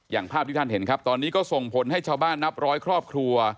ภาพที่ท่านเห็นครับตอนนี้ก็ส่งผลให้ชาวบ้านนับร้อยครอบครัว